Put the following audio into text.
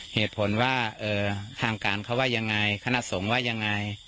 เหตุผลว่าทางการเขาว่ายังไงคณะสงฆ์ว่ายังไง